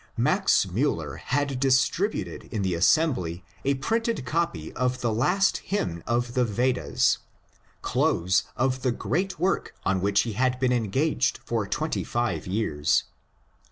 Max Miiller had distributed in the assembly a printed copy of the last hymn of the Yedas, — close of the great work PROFESSOR WHITNEY 313 on which he had been engaged for twenty five years.